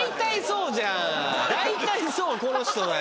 大体そうこの人だよ。